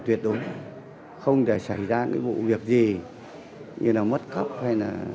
thì chúng tôi đã chỉ đạo các phương án rất là cụ thể